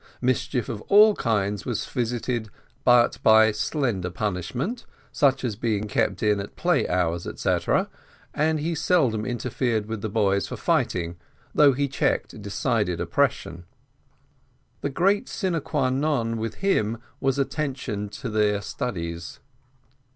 Mischief of all kinds was visited but by slender punishment, such as being kept in at play hours, etcetera; and he seldom interfered with the boys for fighting, although he checked decided oppression. The great sine qua non with him was attention to their studies.